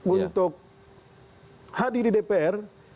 untuk hadir di dpr